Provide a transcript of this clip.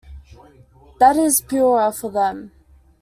That is purer for them.